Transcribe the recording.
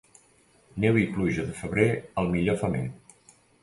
Neu i pluja de febrer, el millor femer.